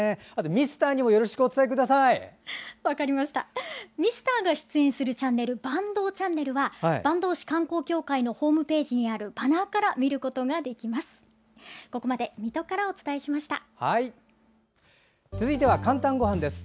ミスターが出演するチャンネル「坂東ちゃんねる」は坂東市観光協会のホームページにあるバナーから見ることができます。